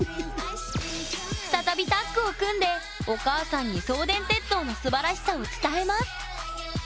再びタッグを組んでお母さんに送電鉄塔のすばらしさを伝えます！